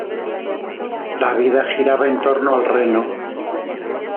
La vida giraba en torno al reno.